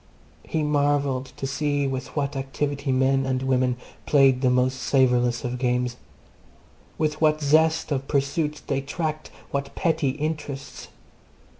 He marvelled to see with what activity men and women played the most savourless of games! With what zest of pursuit they tracked what petty interests.